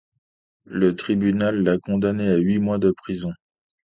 Le tribunal l'a condamné à huit mois de prison.